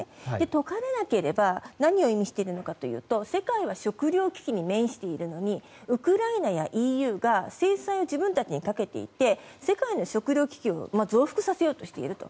解かれなければ何を意味しているのかというと世界は食糧危機に面しているのにウクライナやＥＵが制裁を自分たちにかけていて世界の食糧危機を増幅させようとしていると。